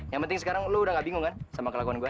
yang penting sekarang lo udah gak bingung kan sama kelakuan gue